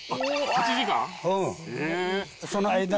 ８時間？